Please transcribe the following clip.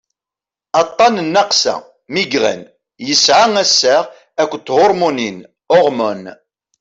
aṭṭan n nnaqsa migraine yesɛa assaɣ akked thurmunin hormones